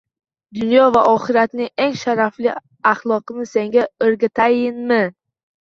«Dunyo va oxiratning eng sharafli axloqini senga o'rgatayinmi?